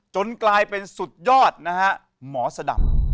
กลายเป็นสุดยอดนะฮะหมอสดำ